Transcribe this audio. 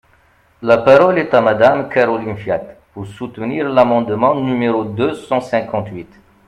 La parole est à Madame Caroline Fiat, pour soutenir l’amendement numéro deux cent cinquante-huit.